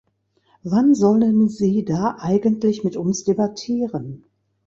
Wann sollen sie da eigentlich mit uns debattieren?